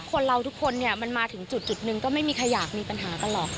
คนเราทุกคนเนี่ยมันมาถึงจุดหนึ่งก็ไม่มีใครอยากมีปัญหากันหรอก